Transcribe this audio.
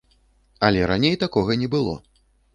Але раней такога не было.